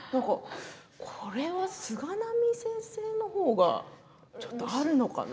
これは菅波先生のほうがちょっとあるのかな。